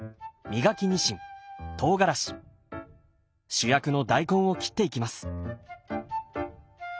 主役の大根を切っていきます。